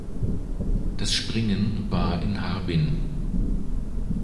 Das Springen war in Harbin.